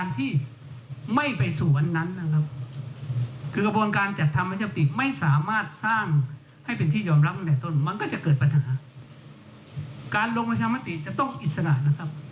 ถ้าอยู่ในบรรยากาศแบบนั้นการลงประชามาติไม่มีอิสระหรือครับ